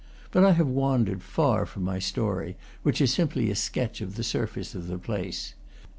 But I have wandered far from my story, which is simply a sketch of the surface of the place.